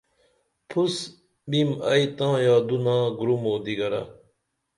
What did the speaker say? پُھس بیم ائی تاں یادونہ گُرُم او دِگرہ